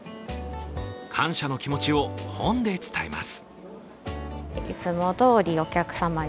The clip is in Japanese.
感謝の気持ちを本で伝えます。